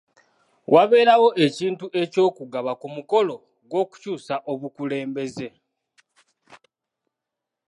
Waberawo ekintu eky'okugaba ku mukulo gw'okukyusa obukulembeze.